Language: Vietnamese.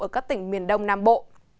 ở các tỉnh miền đông nam bộ